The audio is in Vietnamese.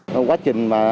trong quá trình mà